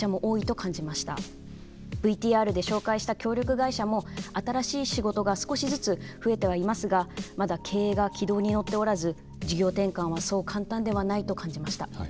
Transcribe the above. ＶＴＲで紹介した協力会社も新しい仕事が少しずつ増えてはいますがまだ経営が軌道に乗っておらず事業転換はそう簡単ではないと感じました。